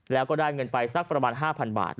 แล้วก็ได้เงินไปสักประมาณ๕๐๐บาท